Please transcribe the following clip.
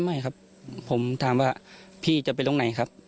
ไม่ครับผมถามว่าพี่จะไปตรงไหนครับ